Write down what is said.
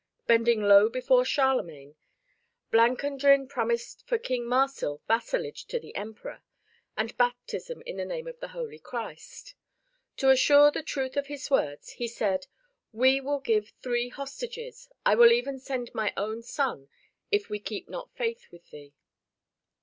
Bending low before Charlemagne, Blancandrin promised for King Marsil vassalage to the Emperor and baptism in the name of the Holy Christ. To assure the truth of his words, he said "We will give thee hostages, I will even send my own son if we keep not faith with thee."